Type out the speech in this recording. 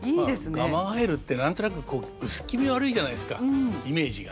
まあガマガエルって何となくこう薄気味悪いじゃないですかイメージが。